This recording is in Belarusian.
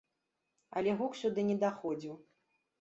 Але гук сюды не даходзіў.